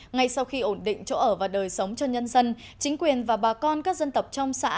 ngay sau khi ổn định chỗ ở và đời sống cho nhân dân chính quyền và bà con các dân tộc trong xã